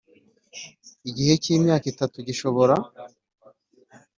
igihe cy imyaka itatu gishobora